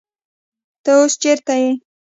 تۀ اوس چېرته يې ؟